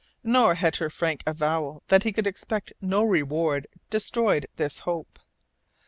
Nor had her frank avowal that he could expect no reward destroyed his hope.